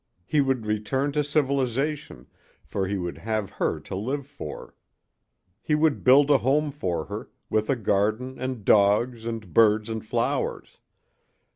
He would return to civilization, for he would have her to live for. He would build a home for her, with a garden and dogs and birds and flowers.